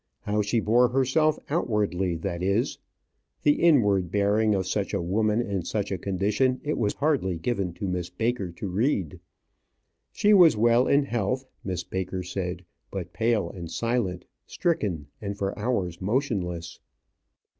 How she bore herself outwardly, that is. The inward bearing of such a woman in such a condition it was hardly given to Miss Baker to read. She was well in health, Miss Baker said, but pale and silent, stricken, and for hours motionless.